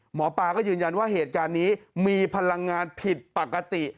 หมอปลาก็ยืนยันว่าเหตุการณ์นี้มีพลังงานผิดปกติ